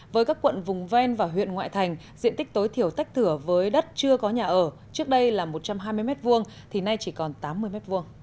với các quận vùng ven và huyện ngoại thành diện tích tối thiểu tách thửa với đất chưa có nhà ở trước đây là một trăm hai mươi m hai thì nay chỉ còn tám mươi m hai